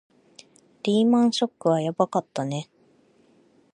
リーマンショックはやばかったね